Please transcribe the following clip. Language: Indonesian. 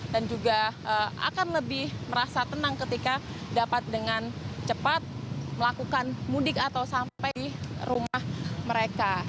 dan juga akan lebih merasa tenang ketika dapat dengan cepat melakukan mudik atau sampai di rumah mereka